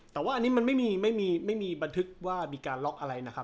แต่ว่าอันนี้มันไม่มีไม่มีบันทึกว่ามีการล็อกอะไรนะครับ